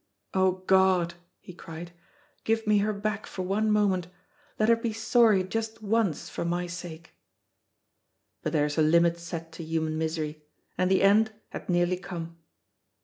"Oh, God," he cried, "give me her back for one moment! Let her be sorry just once for my sake." But there is a limit set to human misery, and the end had nearly come.